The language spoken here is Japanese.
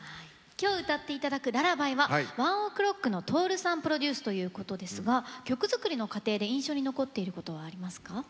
今日歌っていただく「ｌｕｌｌａｂｙ」はＯＮＥＯＫＲＯＣＫのＴｏｒｕさんプロデュースということですが曲作りの過程で印象に残っていることはありますか？